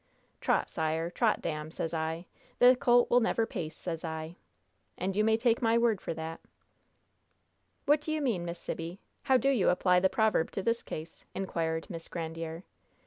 'Trot sire, trot dam,' sez I, 'the colt will never pace,' sez I! And you may take my word for that." "What do you mean, Miss Sibby? How do you apply the proverb to this case?" inquired Miss Grandiere.